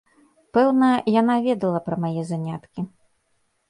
Пэўна, яна ведала пра мае заняткі.